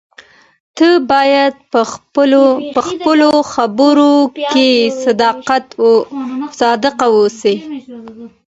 ته باید په خپلو خبرو کې صادق واوسې.